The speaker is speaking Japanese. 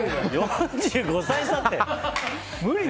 ４５歳差って。